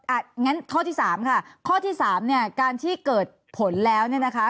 อ่ะงั้นข้อที่สามค่ะข้อที่สามเนี่ยการที่เกิดผลแล้วเนี่ยนะคะ